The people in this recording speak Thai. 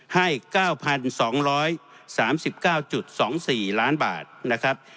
ให้๙๒๓๙๒๔ล้านบาทนะครับ